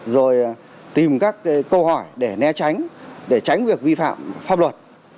rồi tìm các câu hỏi để né tránh để tránh việc vi phạm pháp luật